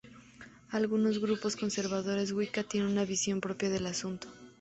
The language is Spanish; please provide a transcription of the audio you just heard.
Algunos grupos conservadores wicca tiene una visión propia del asunto.